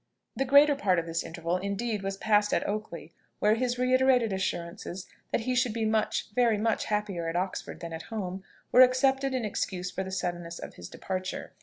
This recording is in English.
The greater part of this interval, indeed, was passed at Oakley, where his reiterated assurances that he should be much, very much happier at Oxford than at home, were accepted in excuse for the suddenness of his departure.